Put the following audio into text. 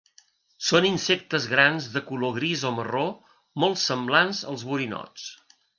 Són insectes grans de color gris o marró molts semblants als borinots.